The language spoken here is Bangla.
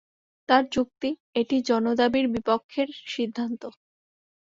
তাঁর যুক্তি, এটি জনদাবির বিপক্ষের সিদ্ধান্ত।